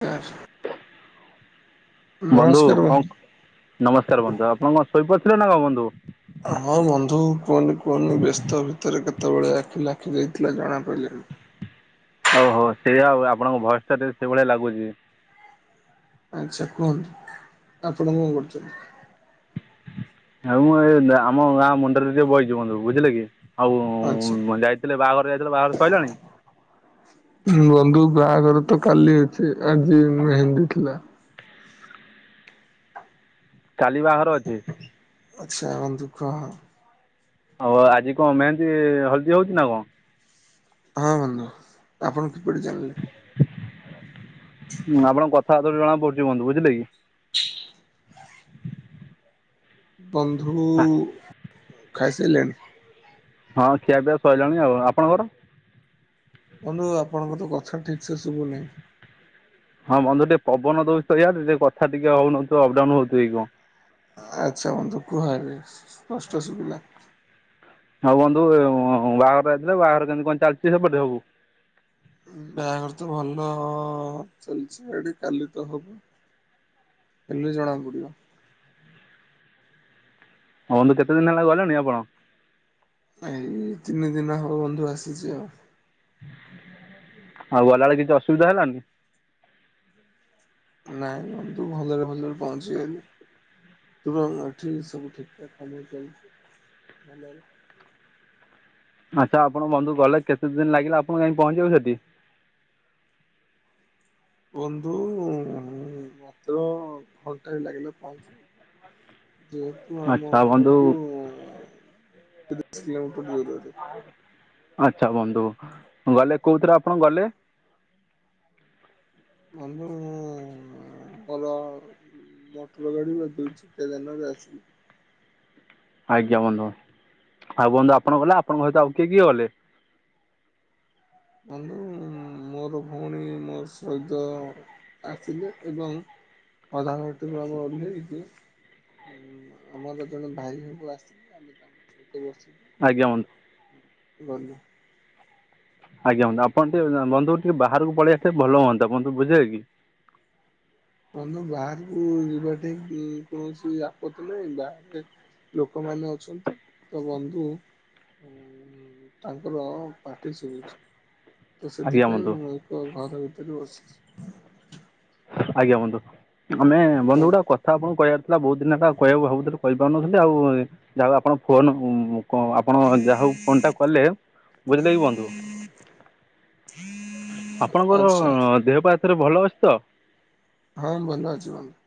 Car ବନ୍ଧୁ କଣ ନମସ୍କାର ବନ୍ଧୁ, ଆପଣ କଣ ଶୋଇପଡିଥିଲେ ନା କଣ ବନ୍ଧୁ? ହଁ ବନ୍ଧୁ କୁହନି କୁହନି ବ୍ୟସ୍ତ ଭିତରେ କେତେବେଳେ ଆଖିଲାଖି ଯାଇଥିଲା ଜଣାପଡ଼ିଲାଣିି। ଓହୋ ସେଇଆ ଆଉ ଆପଣଙ୍କ ଭୟସ ଟା ସେଇଭଳିଆ ଲାଗୁଛି। ଆଛା କୁହନ୍ତୁ ଆପଣ କଣ କରୁଛନ୍ତି? ଆଉ ମୁଁ ଏଇ ଆମ ଗାଁ ମୁଣ୍ଡରେ ଟିକେ ବଇଚି ବନ୍ଧୁ ବୁଝିଲେ କି। ଆଉ ଆଚ୍ଛା। ଯାଇଥିଲେ ବାହାଘର ଯାଇଥିଲେ ବାହାଘର ସଇଲାଣି? ହୁଁ ବନ୍ଧୁ ବାହାଘର ତ କାଲି ଅଛି, ଆଜି ମେହେନ୍ଦୀ ଥିଲା। କାଲି ବାହାଘର ଅଛି? ଆଚ୍ଛା ବନ୍ଧୁ ହଁ। ଆଉ ଆଜି କଣ ମେହେନ୍ଦୀ ହଳଦୀ ହଉଛି ନା କଣ? ହଁ ବନ୍ଧୁ ଆପଣ କିପରି ଜାଣିଲେ? ଆପଣଙ୍କ କଥାବାର୍ତ୍ତାରୁ ଜଣା ପଡୁଛି ବନ୍ଧୁ, ବୁଝିଲେ କି? ବନ୍ଧୁ, ଖାଇସାରିଲେଣି? ହଁ ଖିଆ ପିଆ ସଇଲାଣି ଆଉ, ଆପଣଙ୍କର? ବନ୍ଧୁ ଆପଣଙ୍କର ତ କଥା ଠିକ୍ ସେ ଶୁଭୁନି। ହଁ ବନ୍ଧୁ ଟିକେ ପବନ ଦଉଚି ତ ଇଆଡେ ଟିକେ କଥା ଟିକେ ହଉନଥିବ ଅପ ଡାଉନ ହଉଥିବ କି କଣ। ଆଚ୍ଛା ବନ୍ଧୁ କୁୁହ ଏବେ ସ୍ପଷ୍ଟ ଶୁବିଲା। ଆଉ ବନ୍ଧୁ ବାହାଘର ଯାଇଥିଲେ ବାହାଘର କେମିତି କଣ ଚାଲିଚି ସେପଟେ ସବୁ? ବାହାଘର ତ ଭଲ ଚାଲିଚି ଏଠି କାଲି ତ ହବ। ହେଲେ ଜଣା ପଡ଼ିବ। ଆଉ ବନ୍ଧୁ କେତେ ଦିନ ହେଲା ଗଲେଣି ଆପଣ? ଏଇ ତିନି ଦିନ ହବ ବନ୍ଧୁ ଆସିଚି ଆଉ। ଆଉ ଗଲାବେଳେ କିଛି ଅସୁବିଧା ହେଲାନି? ନାଇଁ ବନ୍ଧୁ ଭଲରେ ଭଲରେ ପହଞ୍ଚିଗଲି। [unintelligible] ଏଠି ସବୁ ଠିକ୍ ଠାକ୍ କାମ ଚାଲିଚି। ଭଲ ରେ ଆଚ୍ଛା ଆପଣ ବନ୍ଧୁ ଗଲେ କେତେ ଦିନ ଲାଗିଲା ଆପଣଙ୍କୁ ଯାଇଁକି ପହଞ୍ଚିବାକୁ ସେଠି? ବନ୍ଧୁ ମାତ୍ର ଘଣ୍ଟାଏ ଲାଗିଲା ପହଞ୍ଚିବାକୁ। ଯେ ମୁଁ ଆମ ଆଚ୍ଛା ବନ୍ଧୁ ଘରଠୁ ତିରିଶ କିଲୋମିଟର ଦୂରରେ ବୋଧେ। ଆଚ୍ଛା ବନ୍ଧୁ। ଗଲେ କୋଉଥିରେ ଆପଣ ଗଲେ? ବନ୍ଧୁ ମୁଁ ଭଲ ମଟର ଗାଡି ବା ଦୁଇ ଚକିଆ ଯାନରେ ଆସିଲି। ଆଜ୍ଞା ବନ୍ଧୁ। ଆଉ ବନ୍ଧୁ ଆପଣ ଗଲେ ଆପଣଙ୍କ ସହିତ ଆଉ କିଏ କିଏ ଗଲେ? ବନ୍ଧୁ ମୋର ଭଉଣୀ ମୋ ସହିତ ଆସିଲେ ଏବଂ ଅଧା ବାଟରୁ ଆମେ ଓହ୍ଲେଇକି ଆମର ଜଣେ ଭାଇ ହେବ ଆସିଲେ ଆମେ ତାଙ୍କ ସହିତ ବସିକି ଆଜ୍ଞା ବନ୍ ଗଲୁ। ଆଜ୍ଞା ବନ୍ଧୁ। ଆପଣ ଟିକେ ବନ୍ଧୁ ଟିକେ ବାହାରକୁ ପଳେଇଆସିଲେ ଭଲହୁଅନ୍ତା। ବନ୍ଧୁ ବୁଝିଲେକି। ବନ୍ଧୁ ବାହାରକୁ ଯିବା ଟି କୌଣସି ଆପତ୍ତି ନାହିଁ। ବାହାରେ ଲୋକମାନେ ଅଛନ୍ତି। ତ ବନ୍ଧୁ ଉଁ ତାଙ୍କର ପାଟି ଶୁବୁଚି। ତ ଆଜ୍ଞା ସେଥିପାଇଁ ବନ୍ଧୁ ମୁଁ ଏକ ଘର ଭିତରେ ବସିଚି। ଆଜ୍ଞା ବନ୍ଧୁ। ମାନେ ବନ୍ଧୁ ଗୋଟେ କୁହନ୍ତୁ କ କଥା ଆପଣଙ୍କୁ କହିବାର ଥିଲା ବହୁତ ଦିନ ହେଲା କହିବାକୁ ଭାବୁଥିଲି କହିପାରୁନଥିଲି ଆଉ ଯାହା ହଉ ଆପଣ ଫୋନ୍ କ ଆପଣ ଯାହା ହଉ ଫୋନ୍ ଟା କଲେ, ବୁଝିଲେକି ବନ୍ଧୁ। ଆପଣଙ୍କର ଆଚ୍ଛା ଦେହ ପା ଏଥରେ ଭଲ ଅଛି ତ? ହଁ ଭଲ ଅଛି ବନ୍ଧୁ।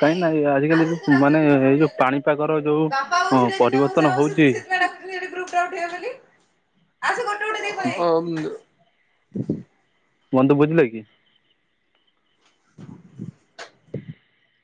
ଦେଇ କାହିଁକି ନା ଆଜିକାଲି ଆସେ ତତେ ମାନେ ଡାକୁଛନ୍ତି ଫୋଟ ଏଇ ଯେଉଁ ଉଠେଇବାକୁ। ପାଣିପାଗର ଯେଉଁ ବାପା ବୋଉ ଛିଡ଼ା ହେଇଛନ୍ତି ପା ପରିବର୍ତ୍ତନ ମଉସା, ମାଉସି ହେଉଛି ସେଥିପାଇଁ ଡା [unintelligible] ଗ୍ରୁପ୍ ଟା ଉଠେଇବା ବୋଲି। ଆସେ ଗୋଟେ ଉଠେଇଦେଇକି ପଳେଇଆସିବୁ। ବନ୍ଧୁ ବୁଝିଲେକି। [inaudible]